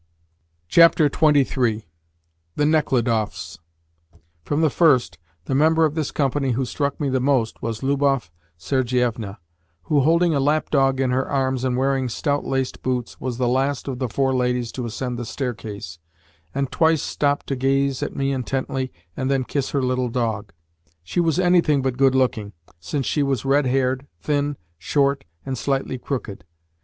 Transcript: XXIII. THE NECHLUDOFFS From the first, the member of this company who struck me the most was Lubov Sergievna, who, holding a lapdog in her arms and wearing stout laced boots, was the last of the four ladies to ascend the staircase, and twice stopped to gaze at me intently and then kiss her little dog. She was anything but good looking, since she was red haired, thin, short, and slightly crooked.